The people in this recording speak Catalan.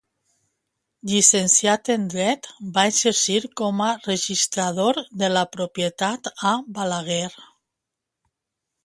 Llicenciat en dret, va exercir com a registrador de la propietat a Balaguer.